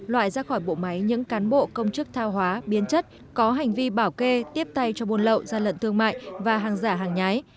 loại ra khỏi bộ máy những cán bộ công chức thao hóa biến chất có hành vi bảo kê tiếp tay cho buôn lậu gian lận thương mại và hàng giả hàng nhái